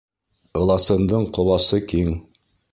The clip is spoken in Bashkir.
Ыласындың ҡоласы киң.